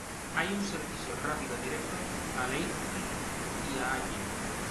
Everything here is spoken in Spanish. Hay un servicio rápido directo a Leipzig y a Halle.